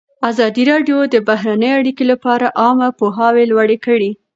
ازادي راډیو د بهرنۍ اړیکې لپاره عامه پوهاوي لوړ کړی.